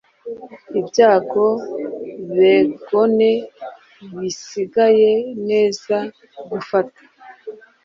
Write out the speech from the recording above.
Ibyago-begone bisigaye neza gufata